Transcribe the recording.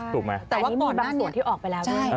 แต่ว่าก่อนมีบางส่วนที่ออกไปแล้ว